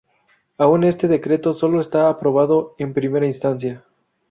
Aún este decreto solo está aprobado en primera instancia.